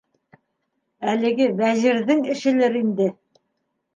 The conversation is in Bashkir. Әлеге Вәзирҙең эшелер инде!